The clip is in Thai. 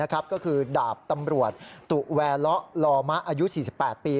ก็คือดาบตำรวจตุแวละลอมะอายุ๔๘ปี